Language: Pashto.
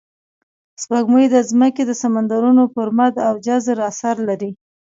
سپوږمۍ د ځمکې د سمندرونو پر مد او جزر اثر لري